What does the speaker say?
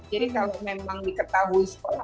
jadi kalau memang diketahui sekolah